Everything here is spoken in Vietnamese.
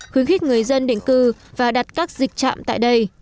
khuyến khích người dân định cư và đặt các dịch trạm tại đây